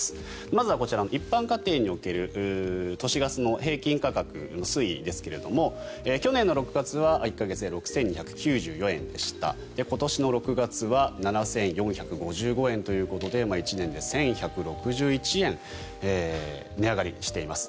まずはこちらの一般家庭における都市ガスの平均価格の推移ですが去年６月は１か月で６２９４円でした今年の６月は７４５５円ということで１年で１１６１円値上がりしています。